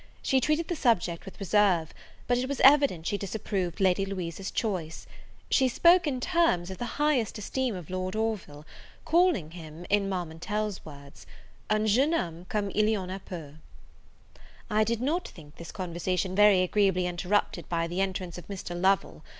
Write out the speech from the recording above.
She treated the subject with reserve; but it was evident she disapproved Lady Louisa's choice. She spoke in terms of the highest esteem of Lord Orville, calling him, in Marmontel's words, "Un jeune homme comme il y en a peu." I did not think this conversation very agreeably interrupted by the entrance of Mr. Lovel.